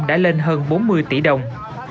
đã lên hơn bốn mươi tỷ đồng